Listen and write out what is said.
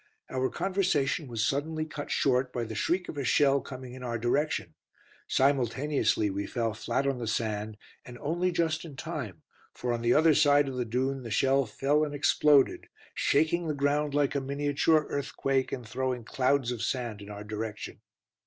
Our conversation was suddenly cut short by the shriek of a shell coming in our direction. Simultaneously we fell flat on the sand, and only just in time, for on the other side of the dune the shell fell and exploded, shaking the ground like a miniature earthquake and throwing clouds of sand in our direction.